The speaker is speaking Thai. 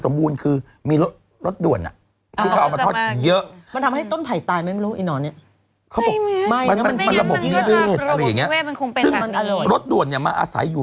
สมัยเด็กเรายังพอเห็นแล้วอยู่